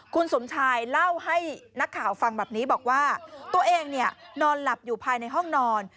คุณสมชายเล่าให้นักข่าวฟังแบบนี้บอกว่าตัวเองเนี่ยนอนหลับอยู่ภายในห้องนอน